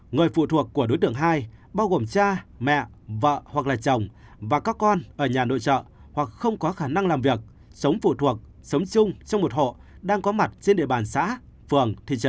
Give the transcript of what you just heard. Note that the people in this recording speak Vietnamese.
ba người phụ thuộc của đối tượng hai bao gồm cha mẹ vợ hoặc là chồng và các con ở nhà nội trợ hoặc không có khả năng làm việc sống phụ thuộc sống chung trong một hộ